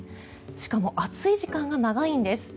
しかも、暑い時間が長いんです。